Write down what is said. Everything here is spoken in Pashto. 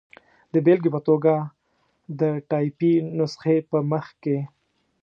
د بېلګې په توګه، د ټایپي نسخې په مخ کې.